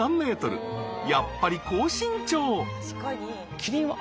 やっぱり高身長！